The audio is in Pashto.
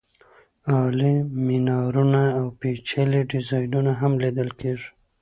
عالي مېنارونه او پېچلي ډیزاینونه هم لیدل کېږي.